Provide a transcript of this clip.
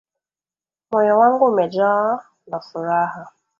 Moyo wangu umejaa na furaha